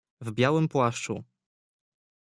"W białym płaszczu."